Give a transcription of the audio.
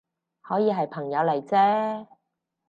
可以係朋友嚟啫